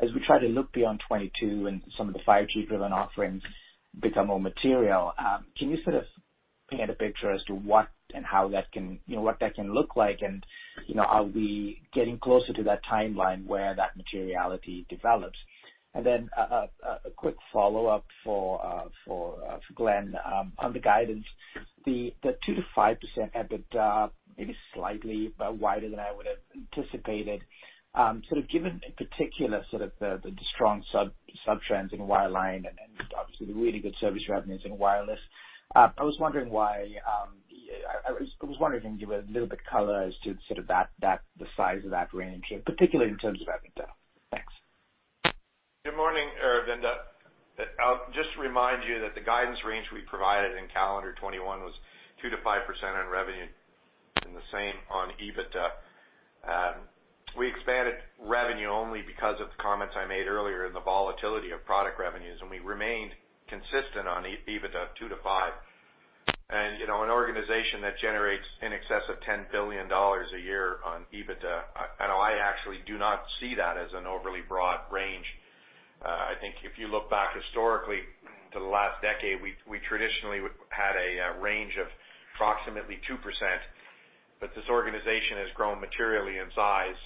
As we try to look beyond 2022 and some of the 5G-driven offerings become more material, can you sort of paint a picture as to what and how that can, you know, what that can look like? You know, are we getting closer to that timeline where that materiality develops? And then a quick follow-up for Glenn. On the guidance, the 2%-5% EBITDA, maybe slightly wider than I would have anticipated. Sort of given in particular sort of the strong subtrends in wireline and obviously the really good service revenues in wireless, I was wondering why I was wondering if you can give a little bit color as to sort of the size of that range, particularly in terms of EBITDA. Thanks. Good morning, Aravinda. I'll just remind you that the guidance range we provided in calendar 2021 was 2%-5% on revenue and the same on EBITDA. We expanded revenue only because of the comments I made earlier in the volatility of product revenues, and we remained consistent on EBITDA 2%-5%. You know, an organization that generates in excess of 10 billion dollars a year on EBITDA, I know I actually do not see that as an overly broad range. I think if you look back historically to the last decade, we traditionally had a range of approximately 2%, but this organization has grown materially in size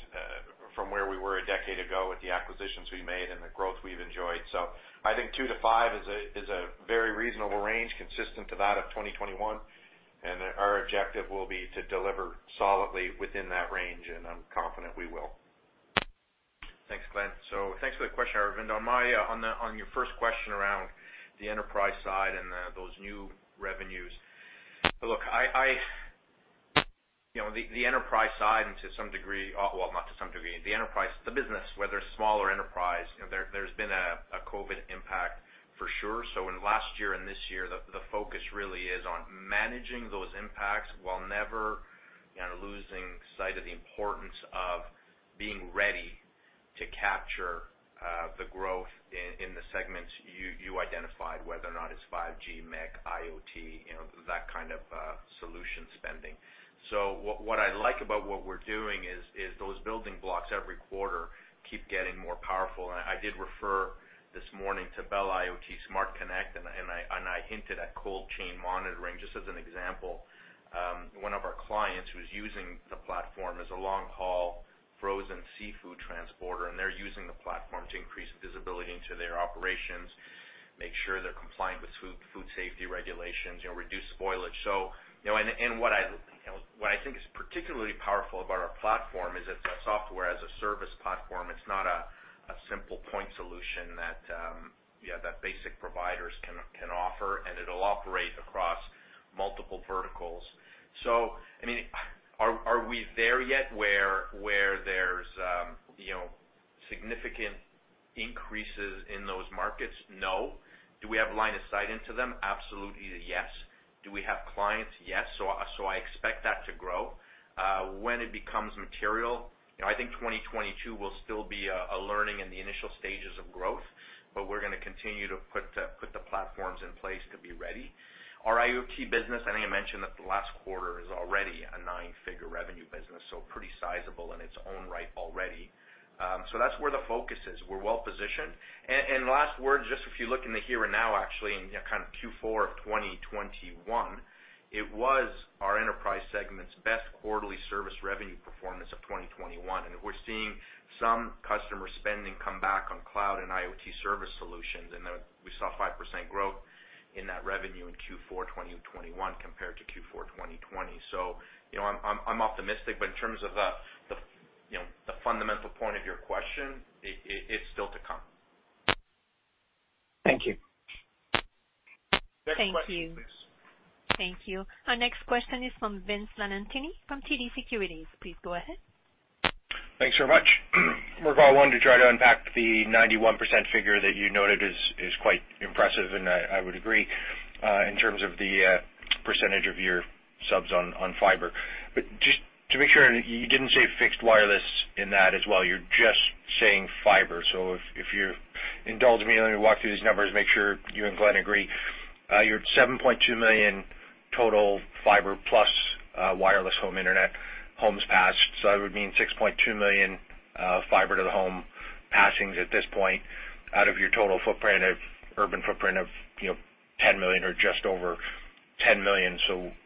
from where we were a decade ago with the acquisitions we made and the growth we've enjoyed. I think two to five is a very reasonable range consistent with that of 2021, and our objective will be to deliver solidly within that range, and I'm confident we will. Thanks, Glenn. Thanks for the question, Aravinda. On your first question around the enterprise side and those new revenues. Look, you know, the enterprise side and to some degree, well, not to some degree, the enterprise, the business, whether small or enterprise, you know, there's been a COVID impact for sure. In last year and this year, the focus really is on managing those impacts while never, you know, losing sight of the importance of being ready to capture the growth in the segments you identified, whether or not it's 5G, MEC, IoT, you know, that kind of solution spending. What I like about what we're doing is those building blocks every quarter keep getting more powerful. I did refer this morning to Bell IoT Smart Connect, and I hinted at cold chain monitoring just as an example. One of our clients who's using the platform is a long-haul frozen seafood transporter, and they're using the platform to increase visibility into their operations, make sure they're compliant with food safety regulations, you know, reduce spoilage. You know, what I think is particularly powerful about our platform is it's a software-as-a-service platform. It's not a simple point solution that basic providers can offer, and it'll operate across multiple verticals. I mean, are we there yet where there's significant increases in those markets? No. Do we have line of sight into them? Absolutely yes. Do we have clients? Yes. I expect that to grow. When it becomes material, you know, I think 2022 will still be a learning and the initial stages of growth, but we're gonna continue to put the platforms in place to be ready. Our IoT business, I think I mentioned that the last quarter, is already a nine-figure revenue business, so pretty sizable in its own right already. That's where the focus is. We're well positioned. Last word, just if you look in the here and now, actually in, you know, kind of Q4 of 2021, it was our enterprise segment's best quarterly service revenue performance of 2021. We're seeing some customer spending come back on cloud and IoT service solutions, and we saw 5% growth in that revenue in Q4 2021 compared to Q4 2020. You know, I'm optimistic. But in terms of the, you know, the fundamental point of your question, it's still to come. Thank you. Next question, please. Thank you. Thank you. Our next question is from Vince Valentini from TD Securities. Please go ahead. Thanks very much. Mirko wanted to try to unpack the 91% figure that you noted is quite impressive, and I would agree in terms of the percentage of your subs on fiber. Just to make sure, you didn't say fixed wireless in that as well, you're just saying fiber. If you indulge me, let me walk through these numbers, make sure you and Glenn agree. Your 7.2 million total fiber plus wireless home internet homes passed, so that would mean 6.2 million fiber to the home passings at this point out of your total footprint of urban footprint of, you know, 10 million or just over 10 million.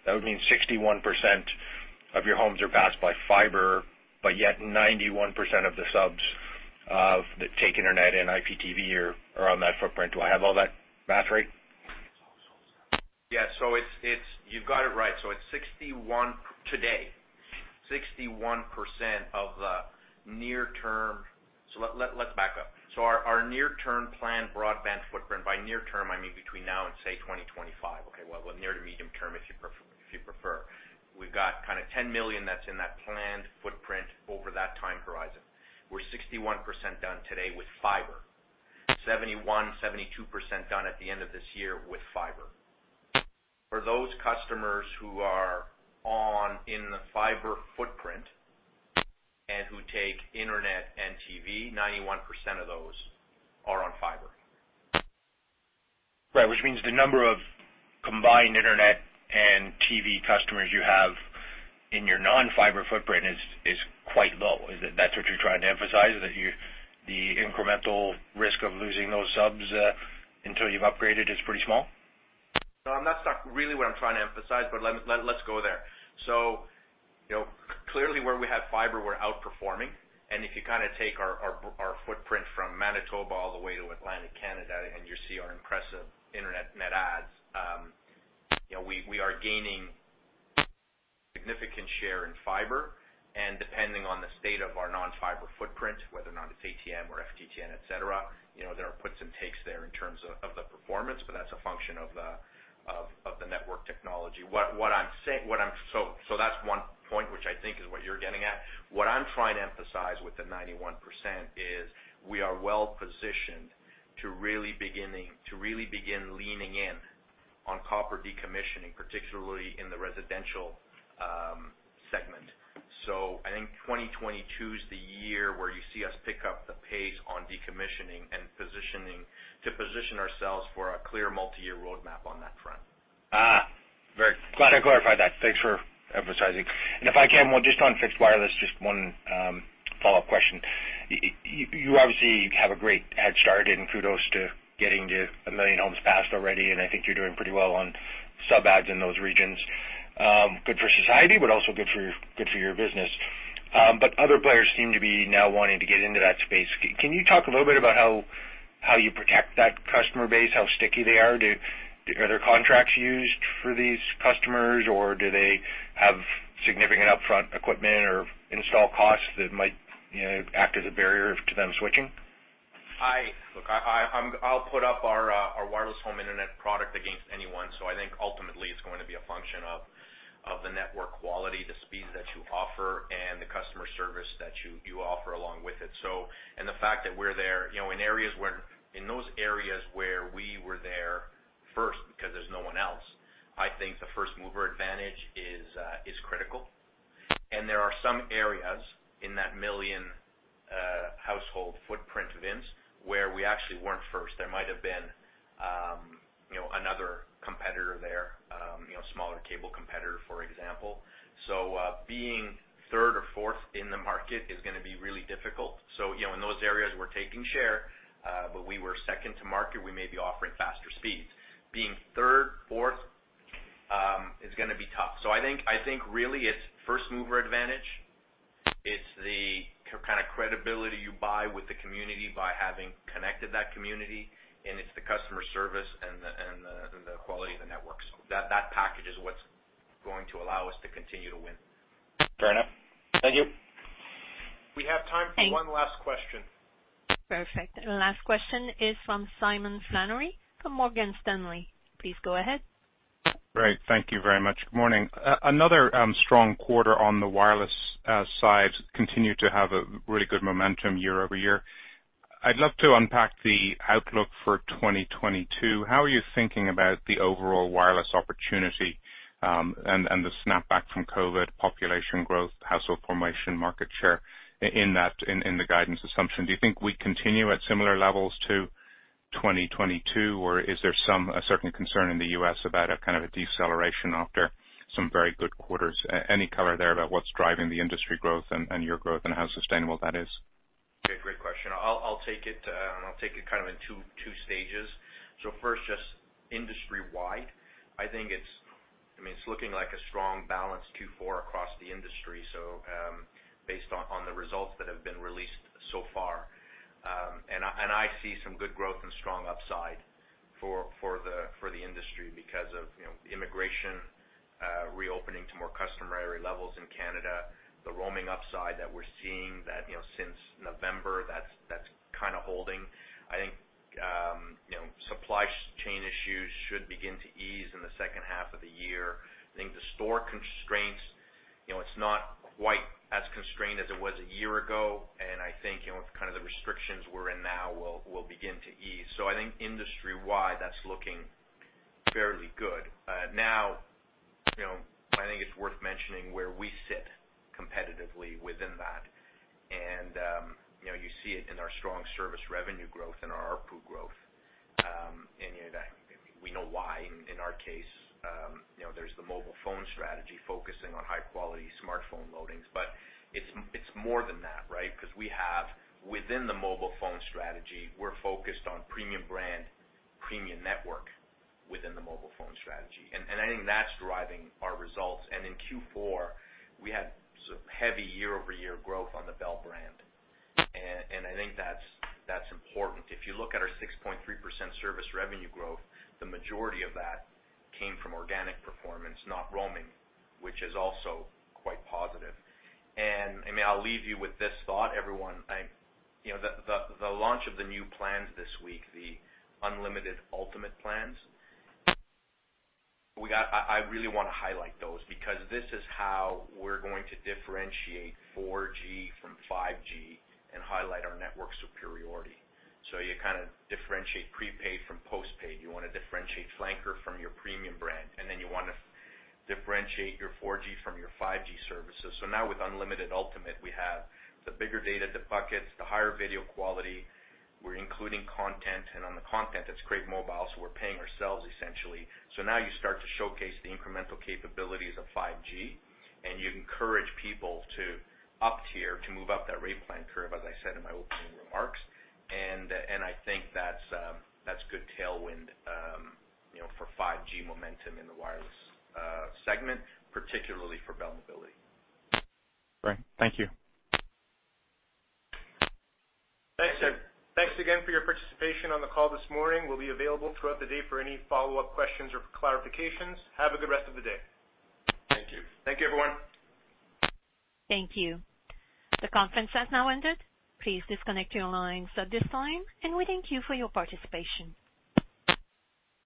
That would mean 61% of your homes are passed by fiber, but yet 91% of the subs that take internet and IPTV are on that footprint. Do I have all that math right? Yeah. You've got it right. It's 61% today. Let's back up. Our near-term plan broadband footprint, by near term, I mean, between now and, say, 2025. Okay. Well, near- to medium-term, if you prefer. We've got kinda 10 million that's in that planned footprint over that time horizon. We're 61% done today with fiber. 71%-72% done at the end of this year with fiber. For those customers who are on in the fiber footprint and who take internet and TV, 91% of those are on fiber. Right. Which means the number of combined internet and TV customers you have in your non-fiber footprint is quite low. Is it? That's what you're trying to emphasize, is that you, the incremental risk of losing those subs until you've upgraded is pretty small? No, that's not really what I'm trying to emphasize, but let's go there. You know, clearly where we have fiber, we're outperforming. If you kinda take our footprint from Manitoba all the way to Atlantic Canada, and you see our impressive internet net adds, you know, we are gaining significant share in fiber. Depending on the state of our non-fiber footprint, whether or not it's ATM or FTTN, et cetera, you know, there are puts and takes there in terms of the performance, but that's a function of the network technology. That's one point, which I think is what you're getting at. What I'm trying to emphasize with the 91% is we are well positioned to really begin leaning in on copper decommissioning, particularly in the residential segment. I think 2022 is the year where you see us pick up the pace on decommissioning and to position ourselves for a clear multiyear roadmap on that front. Very glad I clarified that. Thanks for emphasizing. If I can, just on fixed wireless, just one follow-up question. You obviously have a great head start, and kudos to getting to 1 million homes passed already, and I think you're doing pretty well on sub adds in those regions. Good for society, but also good for your business. But other players seem to be now wanting to get into that space. Can you talk a little bit about how you protect that customer base, how sticky they are? Are there contracts used for these customers, or do they have significant upfront equipment or install costs that might, you know, act as a barrier to them switching? Look, I'll put up our wireless home internet product against anyone. I think ultimately it's going to be a function of the network quality, the speeds that you offer, and the customer service that you offer along with it. The fact that we're there, you know, in areas where we were there first, because there's no one else. I think the first mover advantage is critical. There are some areas in that 1 million household footprint of WHI where we actually weren't first. There might have been, you know, another competitor there, you know, smaller cable competitor, for example. Being third or fourth in the market is gonna be really difficult. You know, in those areas, we're taking share, but we were second to market, we may be offering faster speeds. Being third, fourth, is gonna be tough. I think really it's first mover advantage. It's the kind of credibility you buy with the community by having connected that community, and it's the customer service and the quality of the network. That package is what's going to allow us to continue to win. Fair enough. Thank you. We have time for one last question. Perfect. The last question is from Simon Flannery from Morgan Stanley. Please go ahead. Great. Thank you very much. Good morning. Another strong quarter on the wireless side. Continue to have a really good momentum year over year. I'd love to unpack the outlook for 2022. How are you thinking about the overall wireless opportunity, and the snapback from COVID, population growth, household formation, market share in the guidance assumption? Do you think we continue at similar levels to 2022, or is there a certain concern in the U.S. about a kind of a deceleration after some very good quarters? Any color there about what's driving the industry growth and your growth and how sustainable that is? Yeah, great question. I'll take it and I'll take it kind of in two stages. First just industry-wide. I think it's. I mean, it's looking like a strong balanced Q4 across the industry, so, based on the results that have been released so far. And I see some good growth and strong upside for the industry because of, you know, immigration, reopening to more customary levels in Canada, the roaming upside that we're seeing that, you know, since November, that's kinda holding. I think, you know, supply chain issues should begin to ease in the H2 of the year. I think the store constraints, you know, it's not quite as constrained as it was a year ago, and I think, you know, kind of the restrictions we're in now will begin to ease. I think industry-wide, that's looking fairly good. Now, you know, I think it's worth mentioning where we sit competitively within that. You know, you see it in our strong service revenue growth and our ARPU growth. You know that. We know why in our case. You know, there's the mobile phone strategy focusing on high-quality smartphone loadings. But it's more than that, right? 'Cause we have within the mobile phone strategy, we're focused on premium brand, premium network within the mobile phone strategy. I think that's driving our results. In Q4, we had sort of heavy year-over-year growth on the Bell brand. I think that's important. If you look at our 6.3% service revenue growth, the majority of that came from organic performance, not roaming, which is also quite positive. I mean, I'll leave you with this thought, everyone. You know, the launch of the new plans this week, the Unlimited Ultimate plans, I really wanna highlight those because this is how we're going to differentiate 4G from 5G and highlight our network superiority. You kinda differentiate prepaid from postpaid. You wanna differentiate flanker from your premium brand, and then you wanna differentiate your 4G from your 5G services. Now with Unlimited Ultimate, we have the bigger data, the buckets, the higher video quality. We're including content, and on the content, that's Crave Mobile, so we're paying ourselves essentially. Now you start to showcase the incremental capabilities of 5G, and you encourage people to up tier to move up that rate plan curve, as I said in my opening remarks. I think that's good tailwind, you know, for 5G momentum in the wireless segment, particularly for Bell Mobility. Great. Thank you. Thanks. Thanks again for your participation on the call this morning. We'll be available throughout the day for any follow-up questions or clarifications. Have a good rest of the day. Thank you. Thank you, everyone. Thank you. The conference has now ended. Please disconnect your lines at this time, and we thank you for your participation.